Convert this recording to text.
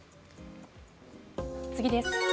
次です。